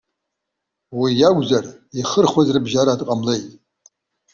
Уи иакәзар, ихырхәаз рыбжьара дҟамлеит.